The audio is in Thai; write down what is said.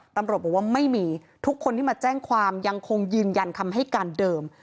ตำรวจบอกว่าไม่มีทุกคนที่มาแจ้งความยังคงยืนยันคำให้การเดิม